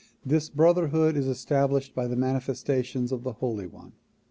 This brotherhood is established by the manifes tations of the Holy One.